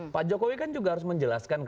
pak jokowi kan juga harus menjelaskan